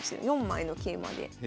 ４枚の桂馬で。